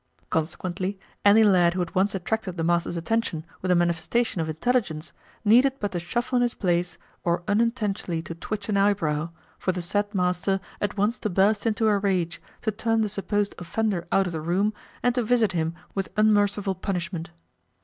Consequently any lad who had once attracted the master's attention with a manifestation of intelligence needed but to shuffle in his place, or unintentionally to twitch an eyebrow, for the said master at once to burst into a rage, to turn the supposed offender out of the room, and to visit him with unmerciful punishment.